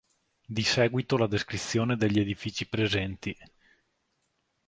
Di seguito la descrizione degli edifici presenti.